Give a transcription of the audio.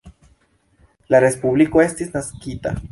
La respubliko estis naskita.